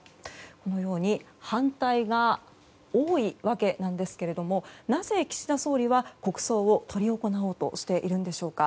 このように反対が多いわけですがなぜ、岸田総理は国葬を執り行おうとしているのでしょうか。